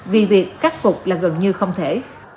vì việc cắt phục là gần như không thể